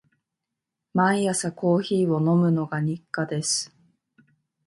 毎朝コーヒーを飲むのが日課です。